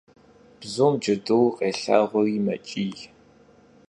Bzum cedur khêlhağuri meç'iy.